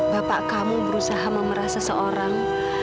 bapak kamu berusaha memerasa seorang